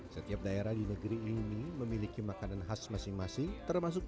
setiap daerah di negeri ini memiliki makanan khas masing masing termasuk